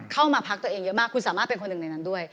เข้ามาพักตัวเองเยอะมากคุณสามารถเป็นคนหนึ่งในนั้นด้วย